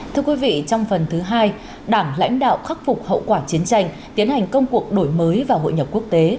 thưa quý vị trong phần thứ hai đảng lãnh đạo khắc phục hậu quả chiến tranh tiến hành công cuộc đổi mới và hội nhập quốc tế